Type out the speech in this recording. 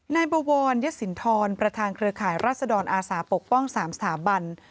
นายบวรยศินทรประทางเครือข่ายราชดรอศาสตร์ปกป้องสามสถาบัน